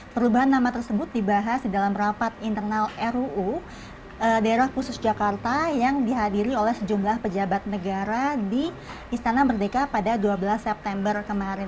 perubahan nama tersebut dibahas di dalam rapat internal ruu daerah khusus jakarta yang dihadiri oleh sejumlah pejabat negara di istana merdeka pada dua belas september kemarin